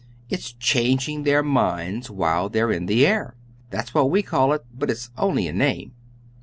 "It's changing their minds while they're in the air. That's what we call it, but it's only a name.